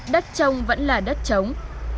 đất trông vẫn là đất trống